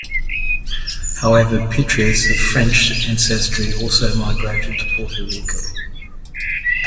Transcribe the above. However, Pitres of French ancestry also migrated to Puerto Rico.